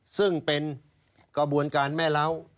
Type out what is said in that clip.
ซึ่งเป็นกระบวนการแม่เล้า